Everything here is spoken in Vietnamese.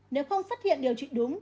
nếu không phát hiện điều trị đúng